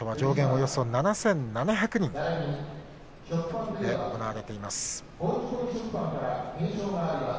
およそ７７００人で行われています。